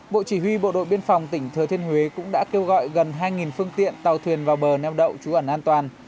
bộ chỉ huy bộ đội biên phòng tỉnh thừa thiên huế cũng đã kêu gọi gần hai phương tiện tàu thuyền vào bờ neo đậu trú ẩn an toàn